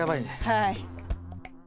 はい。